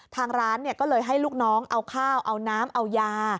ทางร้านก็เลยให้ลูกน้องเอาข้าวเอาน้ำเอายา